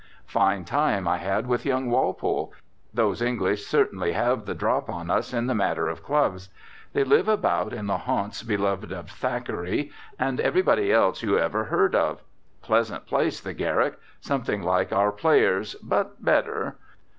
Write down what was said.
Fine time I had with young Walpole. Those English certainly have the drop on us in the matter of clubs. They live about in the haunts beloved of Thackeray, and everybody else you ever heard of. Pleasant place, the Garrick. Something like our Players, but better.